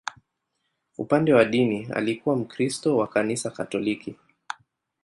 Upande wa dini, alikuwa Mkristo wa Kanisa Katoliki.